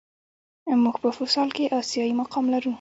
موږ په فوسال کې آسیايي مقام لرو.